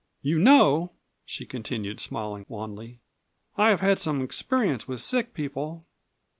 You know," she continued, smiling wanly, "I have had some experience with sick people."